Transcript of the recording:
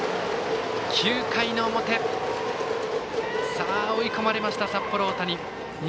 ９回の表、さあ追い込まれました札幌大谷。